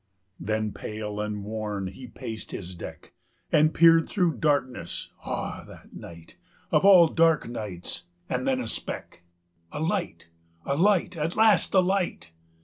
Then, pale and worn, he paced his deck, And peered through darkness. Ah, that night Of all dark nights! And then a speck A light! A light! At last a light!